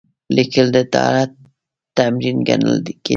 لیکل د اطاعت تمرین ګڼل کېده.